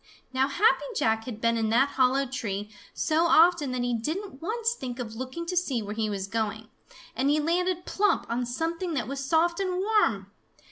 Now Happy Jack had been in that hollow tree so often that he didn't once think of looking to see where he was going, and he landed plump on something that was soft and warm!